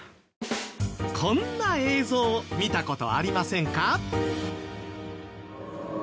こんな映像見た事ありませんか？